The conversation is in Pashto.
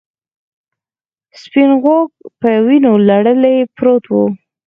سپین غوږ په وینو لړلی پروت و.